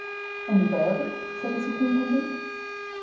"And you veiled it?" said the superintendent.